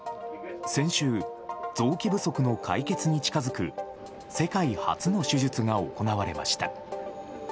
先週、臓器不足の解決に近づく世界初の手術が行われました。